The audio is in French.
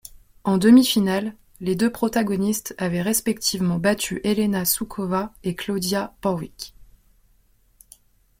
En demi-finale, les deux protagonistes avaient respectivement battu Helena Suková et Claudia Porwik.